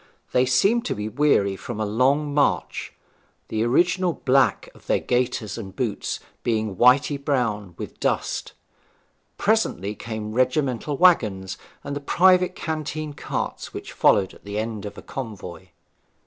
They seemed to be weary from a long march, the original black of their gaiters and boots being whity brown with dust. Presently came regimental waggons, and the private canteen carts which followed at the end of a convoy.